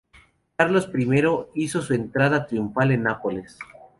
Carlos I hizo su entrada triunfal en Nápoles.